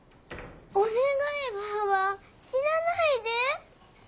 お願いばあば死なないで！